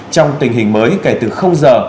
trong tình hình mới kể từ giờ